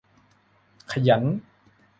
ขยัน